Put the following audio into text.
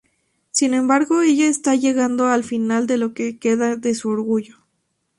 Sin embargo, ella está llegando al final de lo que queda de su orgullo.